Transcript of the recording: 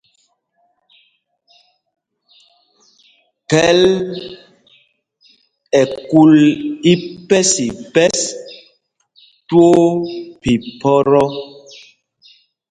Khɛl ɛkul ipɛs ipɛs twóó phiphɔ́tɔ́.